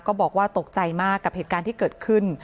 ก็บอกว่าตกใจมากกับเหตุการณ์ที่เกิดขึ้น